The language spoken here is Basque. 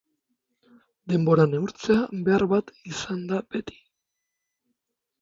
denbora neurtzea behar bat izan da beti